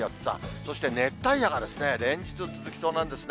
そして熱帯夜が連日続きそうなんですね。